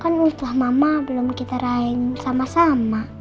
kan usaha mama belum kita rayang sama sama